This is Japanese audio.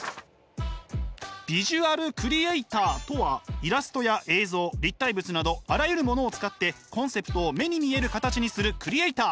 ビジュアルクリエイターとはイラストや映像立体物などあらゆるものを使ってコンセプトを目に見える形にするクリエイター。